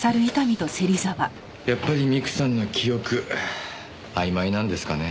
やっぱり美久さんの記憶あいまいなんですかね。